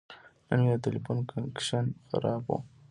نن مې د تلیفون کنکشن خراب و.